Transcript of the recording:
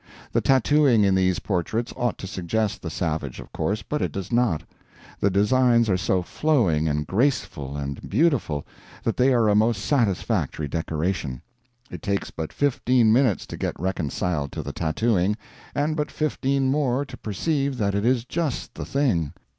The tattooing in these portraits ought to suggest the savage, of course, but it does not. The designs are so flowing and graceful and beautiful that they are a most satisfactory decoration. It takes but fifteen minutes to get reconciled to the tattooing, and but fifteen more to perceive that it is just the thing.